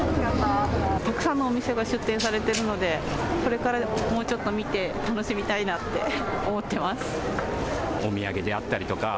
たくさんのお店が出店されているのでこれからもうちょっと見て楽しみたいなって思っています。